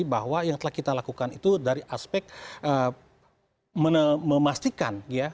bahwa yang telah kita lakukan itu dari aspek memastikan ya